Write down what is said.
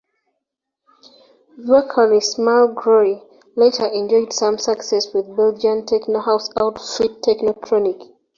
Vocalist Magloire later enjoyed some success with the Belgian techno-house outfit Technotronic.